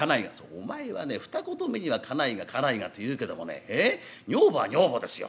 「お前はね二言目には家内が家内がって言うけどもね女房は女房ですよ。